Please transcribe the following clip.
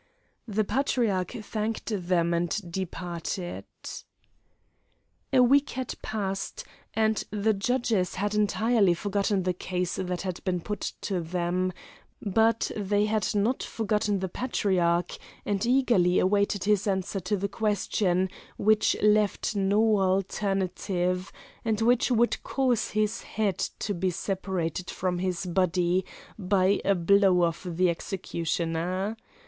The Patriarch thanked them and departed. A week had passed, and the judges had entirely forgotten the case that had been put to them, but they had not forgotten the Patriarch, and eagerly awaited his answer to their question which left no alternative, and which would cause his head to be separated from his body by a blow of the executioner.